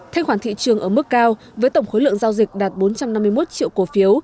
thanh khoản thị trường ở mức cao với tổng khối lượng giao dịch đạt bốn trăm năm mươi một triệu cổ phiếu